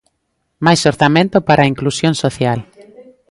Máis orzamento para a inclusión social.